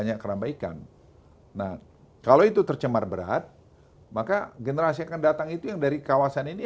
banyak keramba ikan nah kalau itu tercemar berat maka generasi akan datang itu yang dari kawasan ini